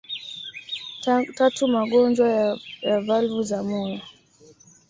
Tatu magonjwa ya valvu za moyo